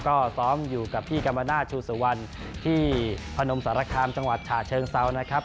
ก็ซ้อมอยู่กับพี่กรรมนาศชูสุวรรณที่พนมสารคามจังหวัดฉะเชิงเซานะครับ